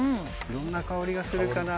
どんな香りがするかな